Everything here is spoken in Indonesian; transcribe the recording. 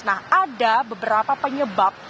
nah ada beberapa penyebab